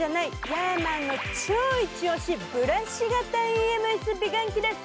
ヤーマンの超イチ押しブラシ型ＥＭＳ美顔器です。